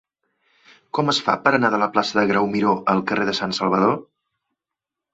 Com es fa per anar de la plaça de Grau Miró al carrer de Sant Salvador?